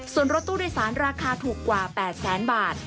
ส่วนรถตู้โดยสารราคาถูกกว่า๘แสนบาท